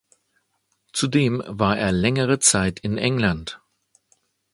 Zudem war er längere Zeit in England.